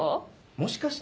もしかして。